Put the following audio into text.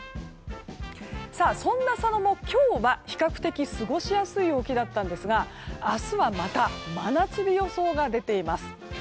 そんな佐野も今日は比較的過ごしやすい陽気だったんですが明日はまた真夏日予想が出ています。